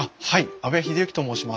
阿部英之と申します。